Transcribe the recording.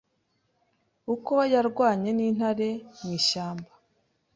Uko yarwanye n’Intare mw’ishyamba